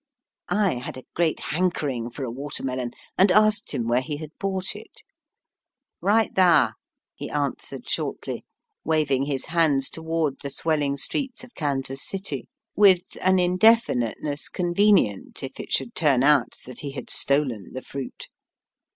I had a great hankering for a water melon, and asked him where he had bought it. '' Eight thar," he answered shortly, waving his hands toward the swelling streets of Kansas City, with an indefiniteness convenient if it should turn out that he had stolen the fruit.